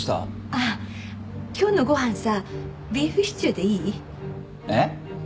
あっ今日のご飯さビーフシチューでいい？えっ？